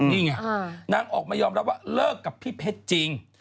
นี่ไงนางออกมายอมรับว่าเลิกกับพี่เพชรจริง